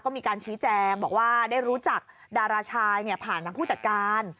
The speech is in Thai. ก็มีการชี้แจงบอกว่าได้รู้จักดาราชายผ่านทางผู้จัดการ